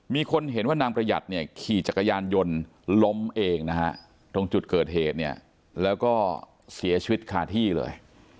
มีคนเห็นว่านางประหยัดเนี่ยขี่จักรยานยนต์ล้มเองนะฮะตรงจุดเกิดเหตุเนี่ยแล้วก็เสียชีวิตคาที่เลย